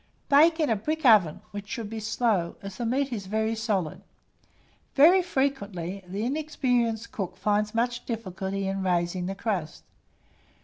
Bake in a brick oven, which should be slow, as the meat is very solid. Very frequently, the inexperienced cook finds much difficulty in raising the crust.